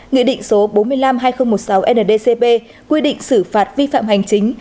nghị định số bốn mươi năm hai nghìn một mươi sáu ndcp quy định xử phạt vi phạm hành chính